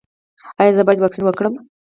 ایا زه باید واکسین وکړم؟